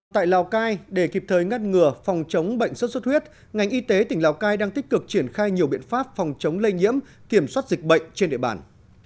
tại lào cai để kịp thời ngăn ngừa phòng chống bệnh sốt xuất huyết ngành y tế tỉnh lào cai đang tích cực triển khai nhiều biện pháp phòng chống lây nhiễm kiểm soát dịch bệnh trên địa bàn